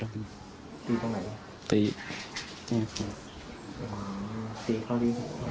ตีตรงไหนอย่างนี้ครับตีอ๋อตีเขาดี